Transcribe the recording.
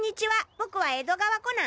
僕は江戸川コナン。